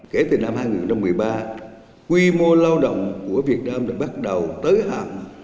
kể từ năm hai nghìn một mươi ba quy mô lao động của việt nam đã bắt đầu tới hạng